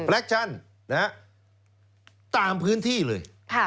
ชั่นตามพื้นที่เลย